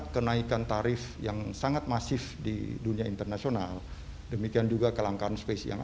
kenaikan tarif yang sangat masif di dunia internasional demikian juga kelangkaan space yang